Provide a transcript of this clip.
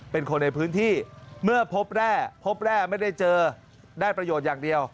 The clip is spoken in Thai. เป็นคนในพื้นที่เมื่อพบแร่พบแร่ไม่ได้เจอได้ประโยชน์อย่างเดียว